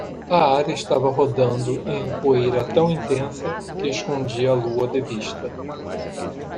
A área estava rodando em poeira tão intensa que escondia a lua de vista.